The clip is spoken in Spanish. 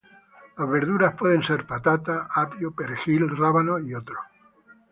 Las verduras pueden ser patatas, apio, perejil, rábanos y otros.